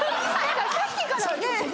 さっきからね。